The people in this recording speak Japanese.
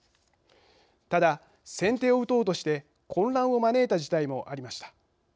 ただ、先手を打とうとして混乱を招いた事態もありました。